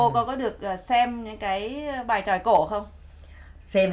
bà mẹ trung thành